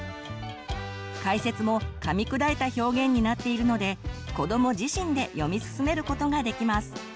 解説もかみ砕いた表現になっているので子ども自身で読み進めることができます。